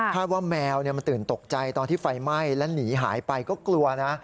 ว่าแมวมันตื่นตกใจตอนที่ไฟไหม้และหนีหายไปก็กลัวนะ